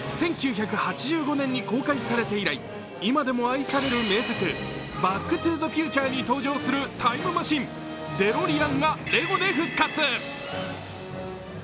１９８５年に公開されて以来、今でも愛される名作「バック・トゥ・ザ・フューチャー」に登場するタイムマシン・デロリアンがレゴで復活。